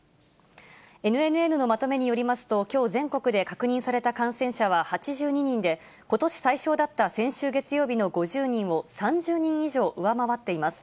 ＮＮＮのまとめによりますと、きょう全国で確認された感染者は８２人で、ことし最少だった先週月曜日の５０人を３０人以上上回っています。